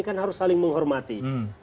kan harus saling menghormati